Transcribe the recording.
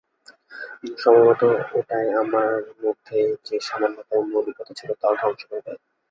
সম্ভবত ওটাই আমার মধ্যে যে সামান্যতম মৌলিকত্ব ছিল তাও ধ্বংস করে দেয়।